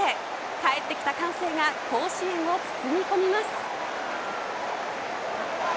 帰ってきた歓声が甲子園を包み込みます。